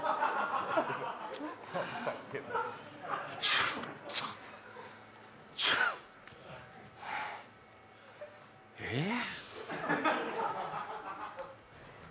ちょっとちょっとええ？